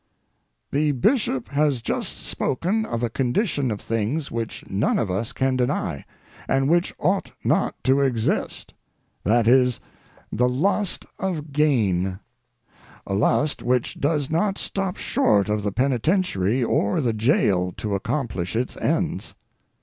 The Bishop has just spoken of a condition of things which none of us can deny, and which ought not to exist; that is, the lust of gain—a lust which does not stop short of the penitentiary or the jail to accomplish its ends.